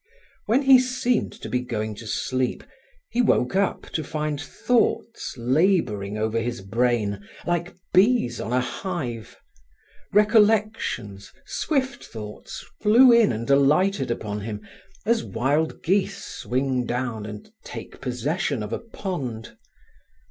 When he seemed to be going to sleep, he woke up to find thoughts labouring over his brain, like bees on a hive. Recollections, swift thoughts, flew in and alighted upon him, as wild geese swing down and take possession of a pond.